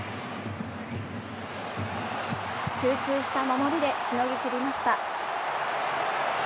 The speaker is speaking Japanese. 集中した守りでしのぎ切りました。